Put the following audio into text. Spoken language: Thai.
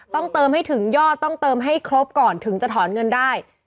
ต้องเติมให้ถึงยอดต้องเติมให้ครบก่อนถึงจะถอนเงินได้